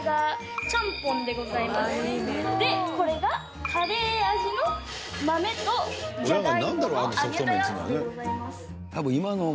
でこれがカレー味の豆とジャガイモの揚げたやつでございます。